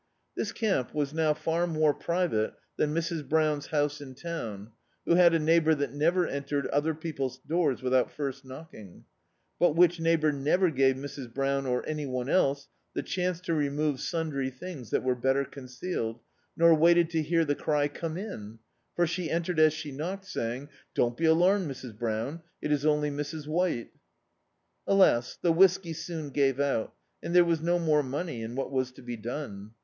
Tliis camp was now far more private than Mrs. Brown's house in town, who had a neighbour that never entered other people's doors without first knocking; but which neighbour never gave Mrs. Brown, or any one else, the chance to remove sundry things that were better concealed, nor waited to hear the cry "come in"; for she entered as she knocked, saying — "Don't be alarmed, Mrs. Brown, it is only Mrs. White." Alas, the whisky soon gave out, and there was no more money, and what was to be done?